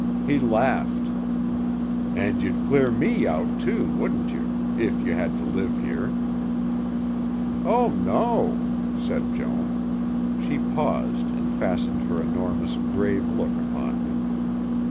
He laughed. "And you'd clear me out, too, wouldn't you? if you had to live here." "Oh, no," said Joan. She paused and fastened her enormous, grave look upon him.